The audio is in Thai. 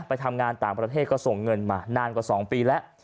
ไปทำงานต่างประเทศก็ส่งเงินมานานกว่า๒ปีแล้ว